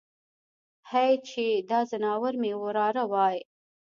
هی چې دا ځناور مې وراره وای.